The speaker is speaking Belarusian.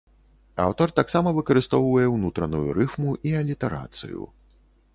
Аўтар таксама выкарыстоўвае ўнутраную рыфму і алітэрацыю.